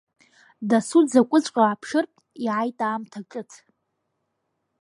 Доусы дзакәыҵәҟьоу ааԥшыртә иааит аамҭа ҿыц.